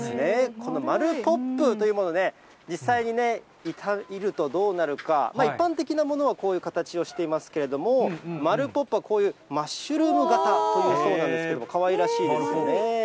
このまるポップというものね、実際に、いるとどうなるか、一般的なものはこういう形をしていますけれども、まるポップはこういうマッシュルーム型というそうなんですけれども、かわいらしいですよね。